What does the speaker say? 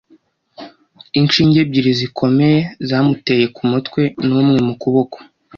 inshinge ebyiri zikomeye-zamuteye ku mutwe, n'umwe mu kuboko